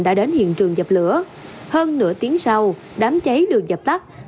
đã đến hiện trường dập lửa hơn nửa tiếng sau đám cháy được dập tắt